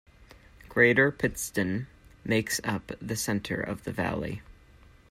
Greater Pittston makes up the center of the valley.